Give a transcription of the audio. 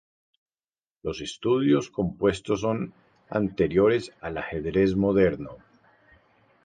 Los estudios compuestos son anteriores al ajedrez moderno.